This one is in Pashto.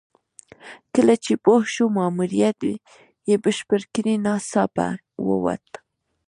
کله چې پوه شو ماموریت یې بشپړ کړی ناڅاپه ووت.